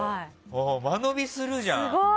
間延びするじゃん。